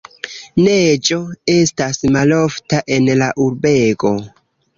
Neĝo estas malofta en la urbego.